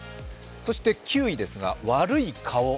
そして９位ですが悪い顔